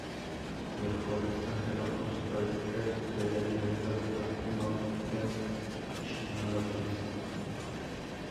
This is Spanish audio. Viajó al extranjero con su padre Greg, que era director de Baltimore Technologies.